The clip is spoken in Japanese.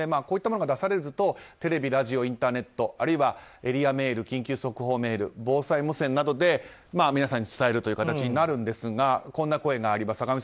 こういったものが出されるとテレビ、ラジオ、インターネットあるいはエリアメール緊急速報メール、防災無線などで皆さんに伝えるという形になるんですがこんな声があります。